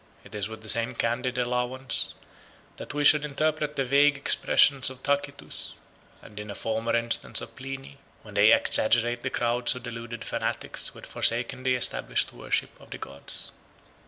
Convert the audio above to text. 168 It is with the same candid allowance that we should interpret the vague expressions of Tacitus, and in a former instance of Pliny, when they exaggerate the crowds of deluded fanatics who had forsaken the established worship of the gods.